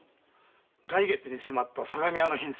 来月に迫った相模屋の返済は？